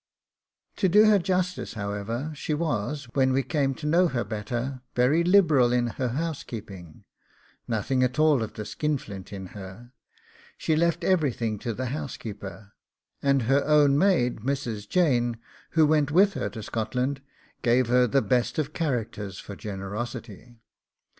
To do her justice, however, she was, when we came to know her better, very liberal in her housekeeping nothing at all of the skinflint in her; she left everything to the housekeeper, and her own maid, Mrs. Jane, who went with her to Scotland, gave her the best of characters for generosity.